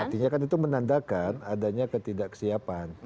artinya kan itu menandakan adanya ketidaksiapan